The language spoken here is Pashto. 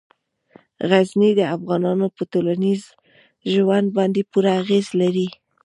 غزني د افغانانو په ټولنیز ژوند باندې پوره اغېز لري.